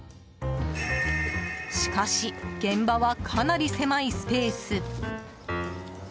しかし、現場はかなり狭いスペース。